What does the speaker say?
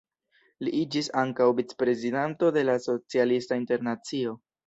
Li iĝis ankaŭ vicprezidanto de la Socialista Internacio.